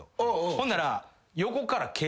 ほんなら。